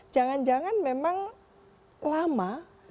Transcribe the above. jangan jangan memang lama